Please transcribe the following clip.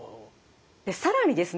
更にですね